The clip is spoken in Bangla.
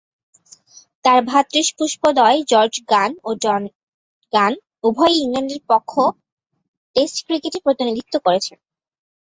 তার ভ্রাতৃস্পুত্রদ্বয় জর্জ গান ও জন গান উভয়েই ইংল্যান্ডের পক্ষ টেস্ট ক্রিকেটে প্রতিনিধিত্ব করেছেন।